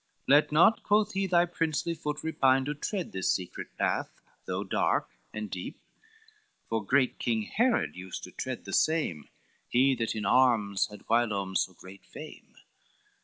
"Let not," quoth he, "thy princely foot repine To tread this secret path, though dark and deep; For great King Herod used to tread the same, He that in arms had whilom so great fame.